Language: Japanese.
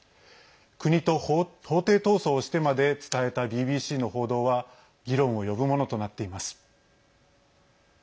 国と法廷闘争をしてまで伝えたＢＢＣの報道は議論を呼ぶものとなっています。